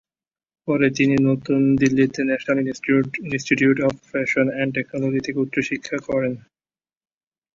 পরে তিনি নতুন দিল্লি তে national institute of fashion and technology থেকে উচ্চ শিক্ষা করেন।